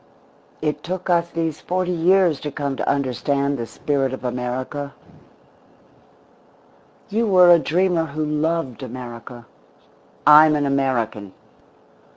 It took us these forty years to come to understand the spirit of America. You were a dreamer who loved America. I'm an American.